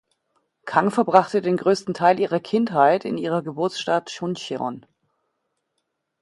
Kang verbrachte den größten Teil ihrer Kindheit in ihrer Geburtsstadt Chuncheon.